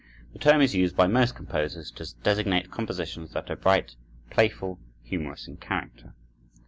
The term is used by most composers to designate compositions that are bright, playful, humorous in character.